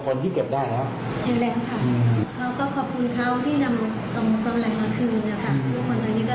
เราก็ขอบคุณเขาที่นำกำไรมาคืนนะคะ